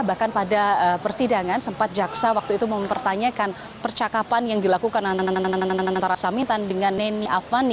bahkan pada persidangan sempat jaksa waktu itu mempertanyakan percakapan yang dilakukan antara samitan dengan neni avani